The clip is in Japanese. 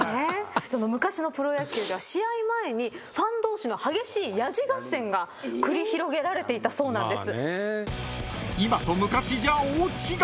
その昔のプロ野球では試合前にファン同士の激しいヤジ合戦が繰り広げられていたそうなんです。